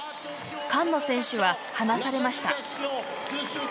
菅野選手は、離されました。